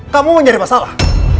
kamu mencari masalah